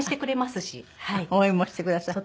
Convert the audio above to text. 応援もしてくださる。